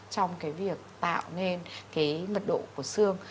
trong việc tạo nên mật độ của xương